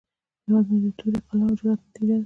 هیواد مې د تورې، قلم، او جرئت نتیجه ده